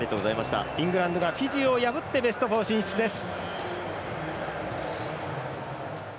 イングランドがフィジーを破ってベスト４進出です。